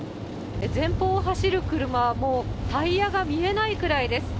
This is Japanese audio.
前方を走る車はもうタイヤが見えないくらいです。